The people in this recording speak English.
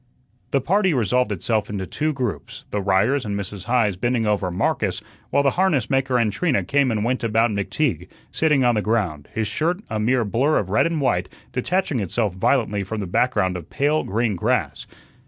The party resolved itself into two groups; the Ryers and Mrs. Heise bending over Marcus, while the harness maker and Trina came and went about McTeague, sitting on the ground, his shirt, a mere blur of red and white, detaching itself violently from the background of pale green grass.